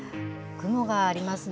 雲がありますね。